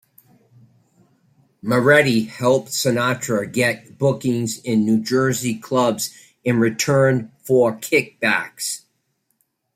Moretti helped Sinatra get bookings in New Jersey clubs in return for kickbacks.